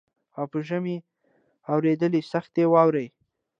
او په ژمي اورېدلې سختي واوري